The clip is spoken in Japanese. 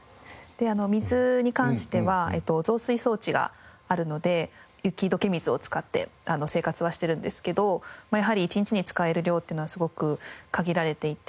水に関しては造水装置があるので雪解け水を使って生活はしてるんですけどやはり１日に使える量っていうのはすごく限られていて。